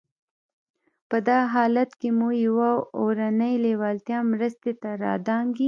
په دغه حالت کې مو يوه اورنۍ لېوالتیا مرستې ته را دانګي.